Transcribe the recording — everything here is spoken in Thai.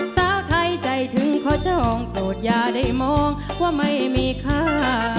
สาวไทยใจถึงขอจองโปรดอย่าได้มองว่าไม่มีค่า